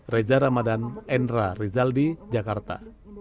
reza ramadan endra rizaldi jakarta